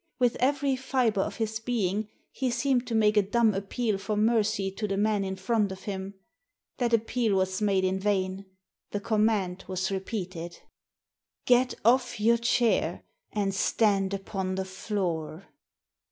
With every fibre of his being he seemed to make a dumb appeal for mercy to the man in front of him. The appeal was made in vain. The command was repeated " Get off your chair, and stand upon the floor."